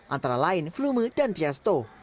antara lain flume dan diasto